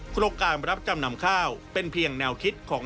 โครงการรับจำนำข้าวเป็นเพียงแนวคิดของ